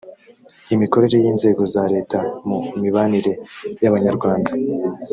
imikorere y inzego za leta mu mibanire y abanyarwanda